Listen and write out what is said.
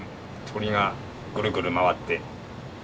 鳥がぐるぐる回って。